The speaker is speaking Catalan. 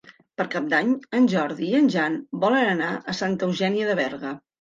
Per Cap d'Any en Jordi i en Jan volen anar a Santa Eugènia de Berga.